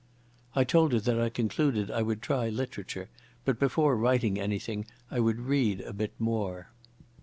I told her that I concluded I would try literature, but before writing anything I would read a bit more.